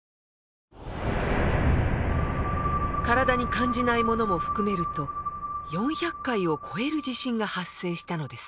体に感じないものも含めると４００回を超える地震が発生したのです。